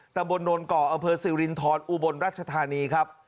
ตะบนโดนเกาะอศิรินทรอุบลรัชธานีครับ